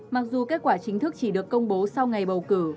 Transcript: mặc dù kết quả chính thức chỉ được công bố sau ngày bầu cử